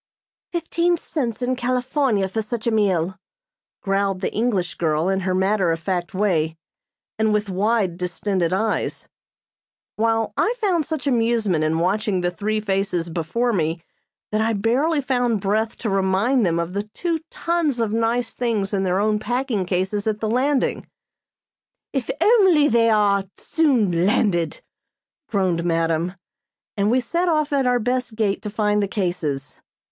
"Fifteen cents in California for such a meal!" growled the English girl in her matter of fact way, and with wide distended eyes; while I found such amusement in watching the three faces before me that I barely found breath to remind them of the two tons of nice things in their own packing cases at the landing. "If only they are soon landed," groaned madam, and we set off at our best gait to find the cases.